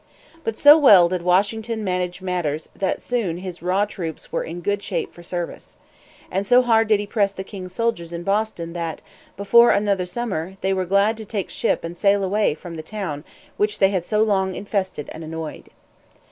But so well did Washington manage matters that soon his raw troops were in good shape for service. And so hard did he press the king's soldiers in Boston that, before another summer, they were glad to take ship and sail away from the town which they had so long infested and annoyed.